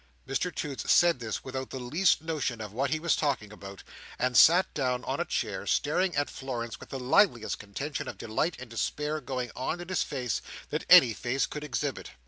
Mr Toots said this without the least notion of what he was talking about, and sat down on a chair, staring at Florence with the liveliest contention of delight and despair going on in his face that any face could exhibit.